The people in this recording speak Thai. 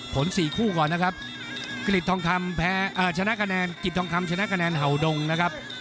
ผล๔คู่ก่อนนะครับกริจทองคำชนะกระแนนเห่าดงนะครับ